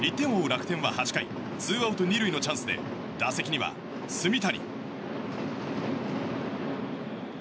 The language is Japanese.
楽天は８回ツーアウト２塁のチャンスで打席には、炭谷。